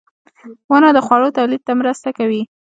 • ونه د خوړو تولید ته مرسته کوي.